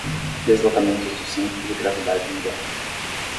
Deslocamentos do Centro de Gravidade Mundial